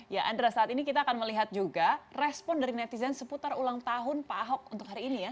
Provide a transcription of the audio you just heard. ya andra saat ini kita akan melihat juga respon dari netizen seputar ulang tahun pak ahok untuk hari ini ya